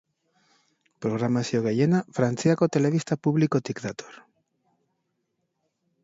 Programazio gehiena Frantziako telebista publikotik dator.